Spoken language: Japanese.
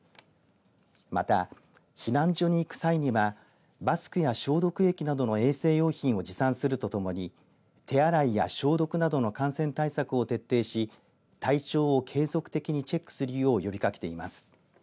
また、避難所に行く際にはマスクや消毒液などの衛生用品を持参するとともに手洗いや消毒などの感染対策を徹底し体調を継続的にチェックするよう呼び掛けています。